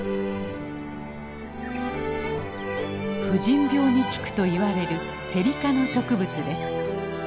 婦人病に効くといわれるセリ科の植物です。